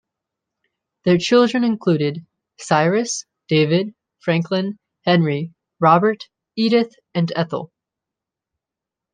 Their children included: Cyrus; David; Franklin; Henry; Robert; Edith; and Ethel.